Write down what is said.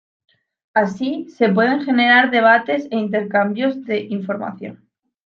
Así, se pueden generar debates e intercambios de información.